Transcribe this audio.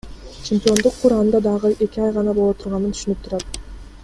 Чемпиондук кур анда дагы эки ай гана боло турганын түшүнүп турат.